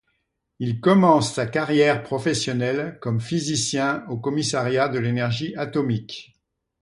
Il commence sa carrière professionnelle comme physicien au Commissariat de l'énergie atomique.